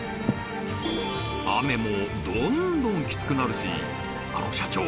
雨もどんどんきつくなるしあの社長